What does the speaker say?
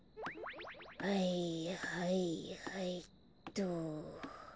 はいはいはいっと。